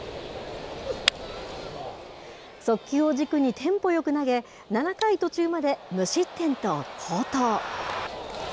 速球を軸にテンポよく投げ、７回途中まで無失点と好投。